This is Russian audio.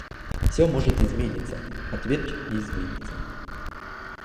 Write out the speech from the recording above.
Всё может измениться, а твердь не изменится.